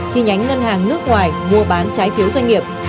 chi nhánh ngân hàng nước ngoài mua bán trái phiếu doanh nghiệp